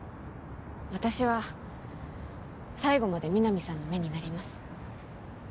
私は最後まで皆実さんの目になります